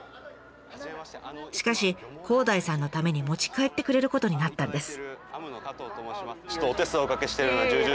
しかし広大さんのために持ち帰ってくれることになったんです。